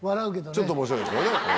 ちょっと面白いですけどね。